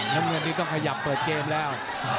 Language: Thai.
น้ำเงินนี้ต้องขยับเปิดเกมแล้ว